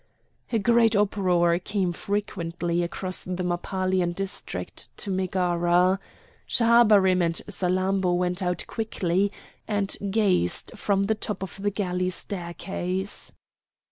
A great uproar came frequently across the Mappalian district to Megara. Schahabarim and Salammbô went out quickly, and gazed from the top of the galley staircase.